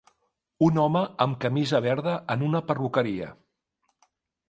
Un home amb camisa verda en una perruqueria.